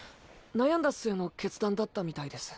悩んだ末の決断だったみたいです。